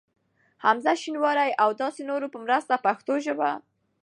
حمزه شینواري ا و داسی نورو په مرسته پښتو ژبه